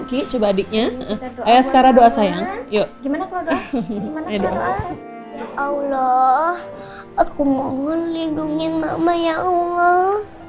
tolong lindungi mama ya allah